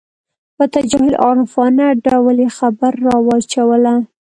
په تجاهل عارفانه ډول یې خبره راواچوله.